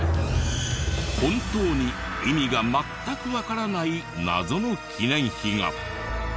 本当に意味が全くわからない謎の記念碑が。